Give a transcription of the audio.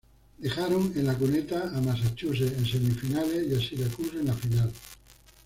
Dejaron en la cuneta a Massachusetts en semifinales, y a Syracuse en la final.